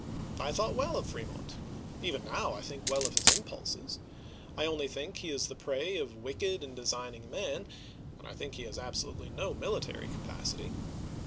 I thought well of Fremont. Even now I think well of his impulses, I only think he is the prey of wicked and designing men, and I think he has absolutely no military capacity.